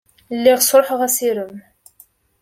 Lliɣ sṛuḥeɣ assirem.